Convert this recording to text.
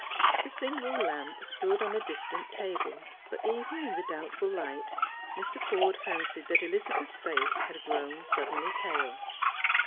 The single lamj) stood on a distant table ; but even in the doubtful light Mr. Forde fencied that Elizabeth's face had grown suddenly pale.